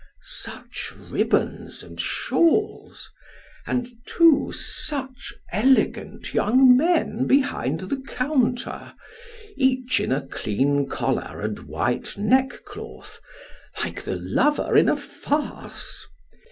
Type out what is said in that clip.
Such ribbons and shawls ! and two such elegant young men behind the counter, each in a clean collar and white neckcloth, like the lover in a farce.